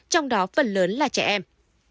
trong đó phần lớn là trẻ em